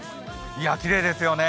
きれいですよね。